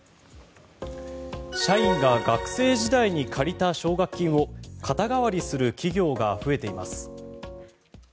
社員が学生時代に借りた奨学金を肩代わりする企業が増えています。